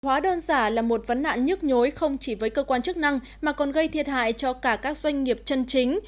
hóa đơn giả là một vấn nạn nhức nhối không chỉ với cơ quan chức năng mà còn gây thiệt hại cho cả các doanh nghiệp chân chính